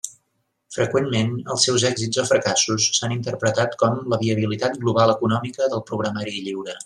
Freqüentment, els seus èxits o fracassos s'han interpretat com la viabilitat global econòmica del programari lliure.